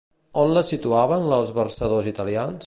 On les situaven els versadors italians?